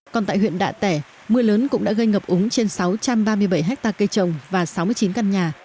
còn tại huyện đạ tẻ mưa lớn cũng đã gây ngập úng trên sáu trăm ba mươi bảy hectare cây trồng và sáu mươi chín căn nhà